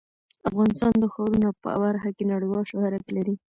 افغانستان د ښارونه په برخه کې نړیوال شهرت لري.